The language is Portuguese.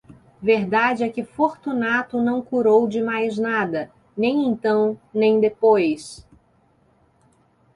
Verdade é que Fortunato não curou de mais nada, nem então, nem depois.